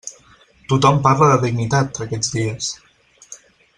Tothom parla de dignitat, aquests dies.